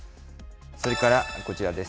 それからこちらです。